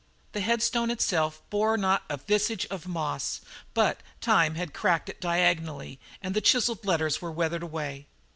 The headstone itself bore not a vestige of moss, but time had cracked it diagonally and the chiselled letters were weathered away.